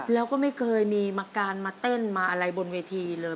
แล้วก็ไม่เคยมีมาการมาเต้นมาอะไรบนเวทีเลย